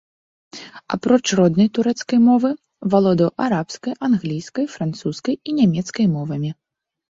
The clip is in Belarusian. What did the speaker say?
Апроч роднай турэцкай мовы, валодаў арабскай, англійскай, французскай і нямецкай мовамі.